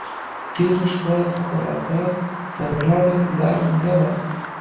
تېره شپه خرابات ته ولاړم لار مې نه وه.